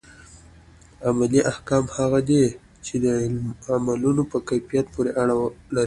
عملي احکام هغه دي چي د عملونو په کيفيت پوري اړه لري.